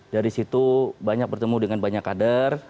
dari situ banyak bertemu dengan banyak kader